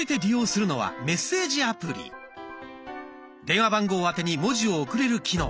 電話番号宛てに文字を送れる機能。